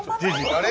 あれ？